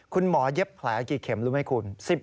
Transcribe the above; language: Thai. คุณหมอยเย็บแผลกี่เข็มรู้ไหมคุณ